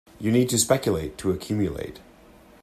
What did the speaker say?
You need to speculate, to accumulate.